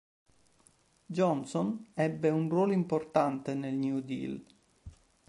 Johnson ebbe un ruolo importante nel New Deal.